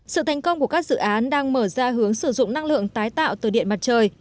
sự thành công của các dự án đang mở ra hướng sử dụng năng lượng tái tạo từ điện mặt trời